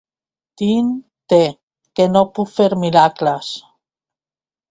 Tin-te, que no puc fer miracles.